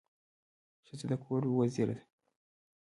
ښځه د کور وزیره ده.